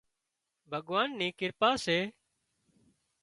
ڀڳوانَ نِي ڪرپا سي